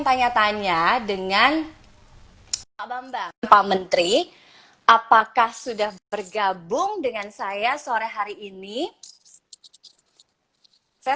tanya tanya dengan pak bambang pak menteri apakah sudah bergabung dengan saya sore hari ini saya